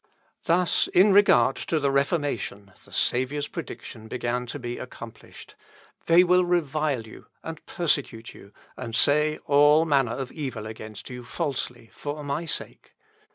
Thus, in regard to the Reformation, the Saviour's prediction began to be accomplished, "They will revile you and persecute you, and say all manner of evil against you falsely, for my sake."